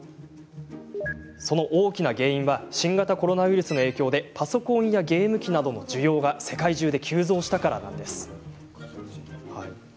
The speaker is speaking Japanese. その大きな原因はコロナウイルスの影響でパソコンやゲーム機などの需要が世界中で急増したからなんです。